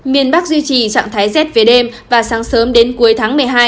miền bắc duy trì trạng thái rét về đêm và sáng sớm đến cuối tháng một mươi hai